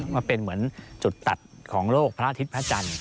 มันเป็นเหมือนจุดตัดของโลกพระอาทิตย์พระจันทร์